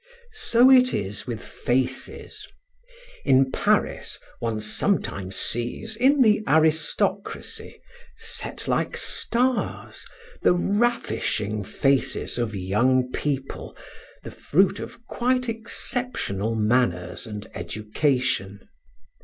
So it is with faces. In Paris one sometimes sees in the aristocracy, set like stars, the ravishing faces of young people, the fruit of quite exceptional manners and education.